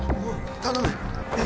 頼む！